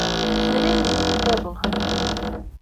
Серең биктә булһын